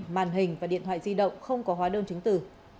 màn hình và điện thoại di động không có hóa đơn chứng tử